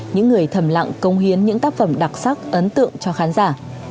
những người thầm lặng công hiến những tác phẩm đặc sắc ấn tượng cho khán giả